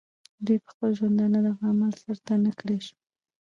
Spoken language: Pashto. دوي پۀ خپل ژوندانۀ دغه عمل سر ته نۀ کړے شو